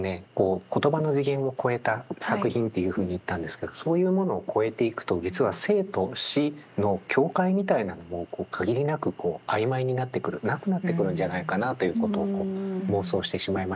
言葉の次元を超えた作品というふうに言ったんですけどそういうものを超えていくと実は生と死の境界みたいなのも限りなく曖昧になってくるなくなってくるんじゃないかなということを妄想してしまいましたね。